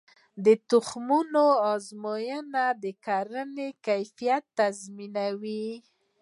د تخمونو ازموینه د کرنې کیفیت تضمینوي.